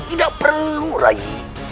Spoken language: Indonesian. tidak perlu rai